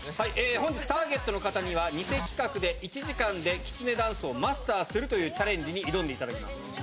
本日、ターゲットの方には偽企画で、１時間できつねダンスをマスターするというチャレンジに挑んでいただきます。